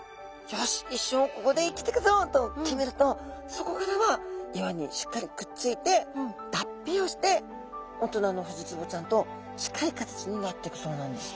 「よし一生ここで生きてくぞ」と決めるとそこからは岩にしっかりくっついて脱皮をして大人のフジツボちゃんと近い形になっていくそうなんです。